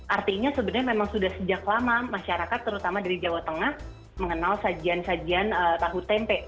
artinya sebenarnya memang sudah sejak lama masyarakat terutama dari jawa tengah mengenal sajian sajian tahu tempe